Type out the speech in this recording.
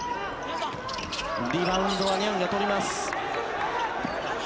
リバウンドはニャンが取ります。